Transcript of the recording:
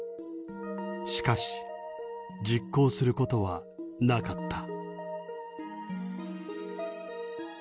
しかし実行することはなかった。